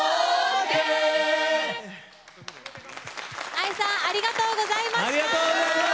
ＡＩ さんありがとうございました！